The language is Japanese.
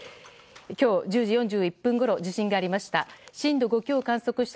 今日、１０時４１分ごろ地震がありました。